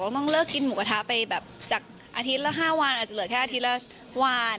ต้องเลิกกินหมูกระทะไปแบบจากอาทิตย์ละ๕วันอาจจะเหลือแค่อาทิตย์ละวัน